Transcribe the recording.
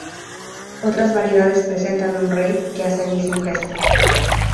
Otras variedades presentan un rey que hace el mismo gesto.